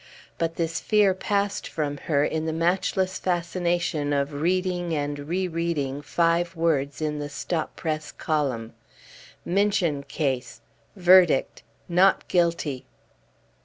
But this fear passed from her in the matchless fascination of reading and re reading five words in the stop press column: "MINCHIN CASE Verdict, Not guilty."